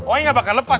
oh ini gak bakal lepas